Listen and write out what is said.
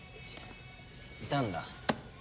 いたんだ？